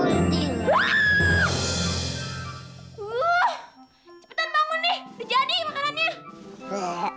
cepetan bangun nih udah jadi makanannya